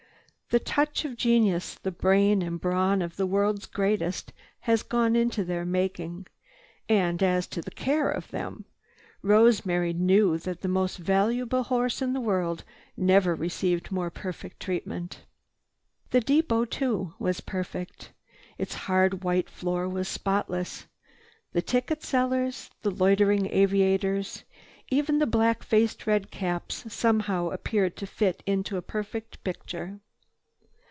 The touch of genius, the brain and brawn of the world's greatest has gone into their making. And as to the care of them, Rosemary knew that the most valuable horse in the world never received more perfect treatment. The depot, too, was perfect. Its hard white floor was spotless. The ticket sellers, the loitering aviators, even the black faced redcaps somehow appeared to fit into a perfect picture.